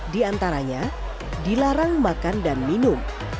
di antaranya dilarang makan dan minum